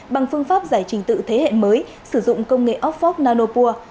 bằng phương pháp giải trình tự thế hệ mới sử dụng công nghệ oxford nanopore